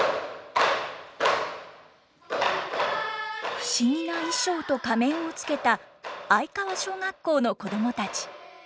不思議な衣装と仮面をつけた相川小学校の子供たち。